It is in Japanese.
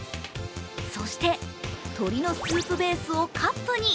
そして、鶏のスープベースをカップに。